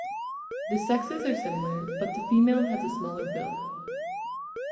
The sexes are similar, but the female has a smaller bill.